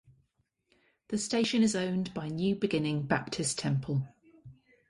The station is owned by New Beginning Baptist Temple.